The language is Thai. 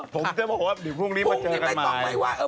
ผมจะบอกว่าเดี๋ยวพรุ่งนี้มาเจอกันใหม่